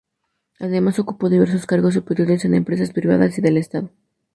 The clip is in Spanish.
Además ocupó diversos cargos superiores en empresas privadas y del Estado.